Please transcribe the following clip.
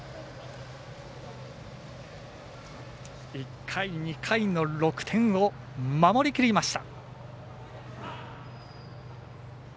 １回、２回の６点を守りきりました。